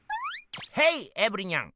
ヘイエブリニャン！